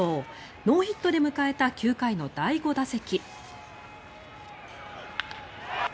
ノーヒットで迎えた９回の第５打席。